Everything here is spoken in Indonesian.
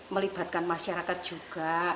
melibatkan masyarakat juga